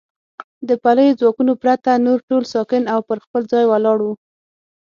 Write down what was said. د پلیو ځواکونو پرته نور ټول ساکن او پر خپل ځای ولاړ و.